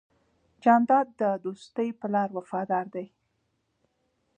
جانداد د دوستی په لار وفادار دی.